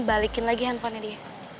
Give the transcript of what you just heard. balikin lagi handphonenya dia